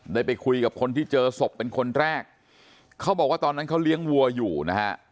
ได้ไปคุยกับคนที่เจอศพเป็นคนแรกเขาบอกว่าตอนนั้นเขาเลี้ยงวัวอยู่นะฮะ